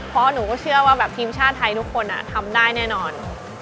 เพราะหนูก็เชื่อว่าแบบทีมชาติไทยทุกคนทำได้แน่นอน